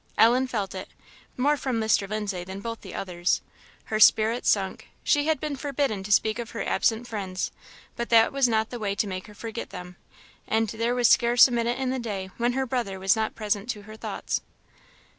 Ellen felt it, more from Mr. Lindsay than both the others; her spirits sunk; she had been forbidden to speak of her absent friends, but that was not the way to make her forget them; and there was scarce a minute in the day when her brother was not present to her thoughts.